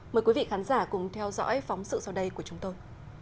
mời quý vị khán giả cùng theo dõi phóng sự sau đây của chúng tôi